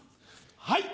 はい！